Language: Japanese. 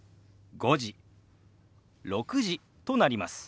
「５時」「６時」となります。